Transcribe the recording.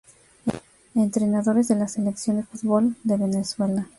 Entrenadores de la Selección de fútbol de Venezuela